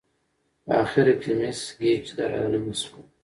په اخره کې مس ګېج را دننه شوه.